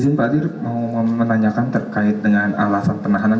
izin pak adir mau menanyakan terkait dengan alasan penahanan